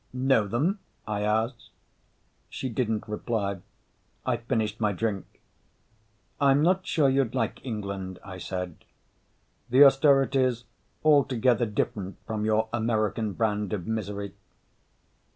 "Know them?" I asked. She didn't reply. I finished my drink. "I'm not sure you'd like England," I said. "The austerity's altogether different from your American brand of misery."